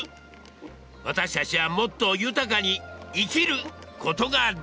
私たちはもっと豊かに「生きる」ことができる。